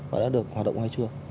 nó đã được hoạt động hay chưa